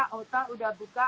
hotel sudah buka